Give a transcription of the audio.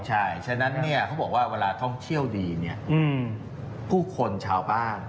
ใช่ฉะนั้นเขาบอกว่าเวลาท่องเที่ยวดีเนี่ยผู้คนชาวบ้าน